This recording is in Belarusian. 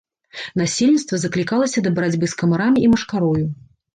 Насельніцтва заклікалася да барацьбы з камарамі і машкарою.